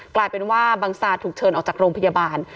กลายเป็นว่าบังซาถูกเชิญออกจากโรงพยาบาล